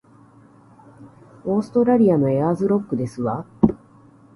オーストラリアのエアーズロックですわ